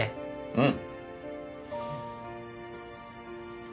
うん。